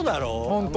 本当。